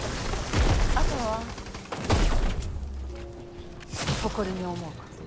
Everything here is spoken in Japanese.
あとは誇りに思うこと。